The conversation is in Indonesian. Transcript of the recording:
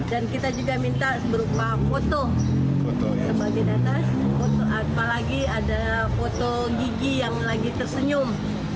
dan kita juga minta berupa foto apalagi ada foto gigi yang lagi tersenyum